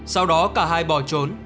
sau đó cả hai bỏ trốn